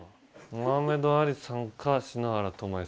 モハメド・アリさんか篠原ともえさんか。